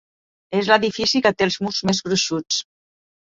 És l'edifici que té els murs més gruixuts.